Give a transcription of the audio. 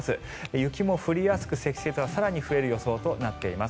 雪も降りやすく積雪は更に増える予想となっています。